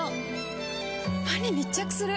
歯に密着する！